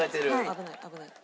危ない危ない。